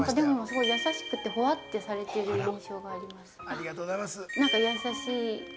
ありがとうございます。